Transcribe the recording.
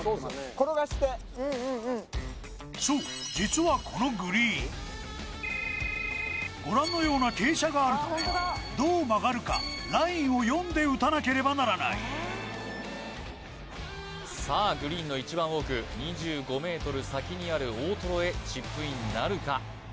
転がしてうんうんうんそうご覧のような傾斜があるためどう曲がるかラインを読んで打たなければならないさあグリーンの一番奥２５ｍ先にある大トロへチップインなるか？